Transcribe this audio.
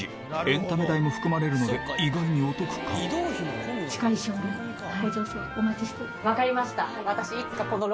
エンタメ代も含まれるので意外にお得かも私いつかこの。